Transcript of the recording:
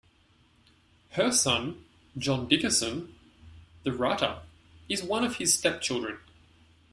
Her son, John Dickerson, the writer, is one of his stepchildren.